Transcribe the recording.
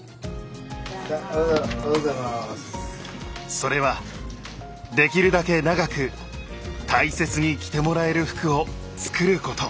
それはできるだけ長く大切に着てもらえる服を作ること。